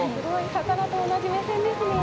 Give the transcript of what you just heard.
魚と同じ目線ですね。